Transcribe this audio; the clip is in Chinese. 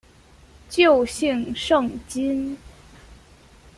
旧姓胜津。